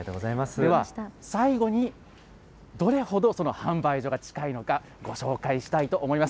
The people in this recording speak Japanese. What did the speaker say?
では最後に、どれほど販売所が近いのか、ご紹介したいと思います。